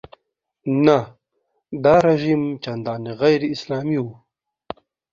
نه دا رژیم چندانې غیراسلامي و.